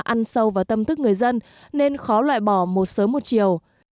văn hóa ăn sâu vào tâm thức người dân nên khó loại bỏ một sớm một chiều